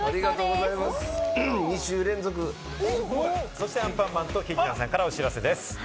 そしてアンパンマンと桐谷さんからお知らせです。